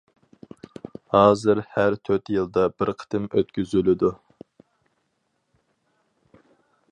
ھازىر ھەر تۆت يىلدا بىر قېتىم ئۆتكۈزۈلىدۇ.